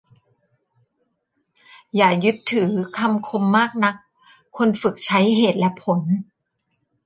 อย่ายึดถือคำคมมากนัก ควรฝึกใช้เหตุและผล